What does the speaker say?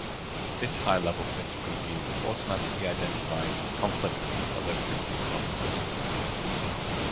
This high-level print preview automatically identifies conflicts and other printing problems.